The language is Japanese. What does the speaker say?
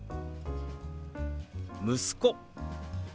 「息子」。